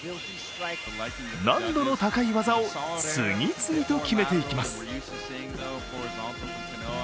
難度の高い技を次々と決めていきます。